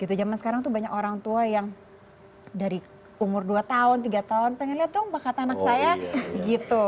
zaman sekarang tuh banyak orang tua yang dari umur dua tahun tiga tahun pengen lihat dong pak kata anak saya gitu